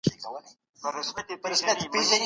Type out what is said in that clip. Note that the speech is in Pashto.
پښتون د ازادۍ او ملي غرور یو لوړ مثال دی.